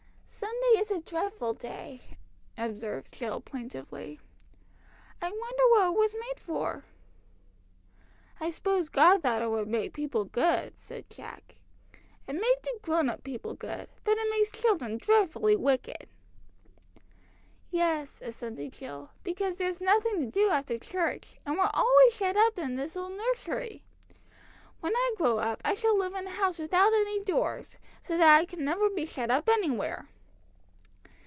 "Sunday is a dreadful day," observed Jill plaintively. "I wonder what it was made for!" "I s'pose God thought it would make people good," said Jack; "it may do grown up people good, but it makes children dreadfully wicked!" "Yes," assented Jill; "because there's nothing to do after church, and we're always shut up in this old nursery. When I grow up I shall live in a house without any doors, so that I can never be shut up anywhere!"